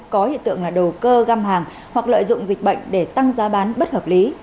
có hiện tượng là đầu cơ găm hàng hoặc lợi dụng dịch bệnh để tăng giá bán bất hợp lý